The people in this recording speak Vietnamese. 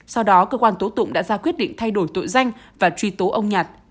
sau đó cơ quan tố tụng đã ra quyết định thay đổi tội danh và truy tố ông nhạt